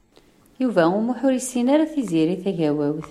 Yuba U Muḥ ur yessin ara Tiziri Tagawawt.